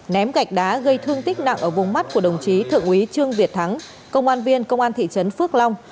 ném gạch đá gây thương tích nặng ở vùng mắt của đồng chí thượng úy trương việt thắng công an viên công an thị trấn phước long